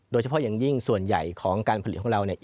โดยเฉพาะอย่างยิ่งส่วนใหญ่ของการผลิตของเราเนี่ย